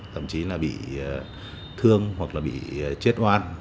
thậm chí là bị thương hoặc là bị chết oan